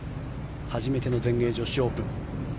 初めての全英女子オープン。